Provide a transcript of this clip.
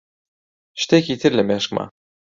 شتێکی تر لە مێشکمە.